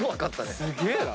すげえな！